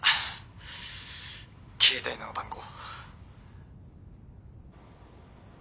携帯の番号。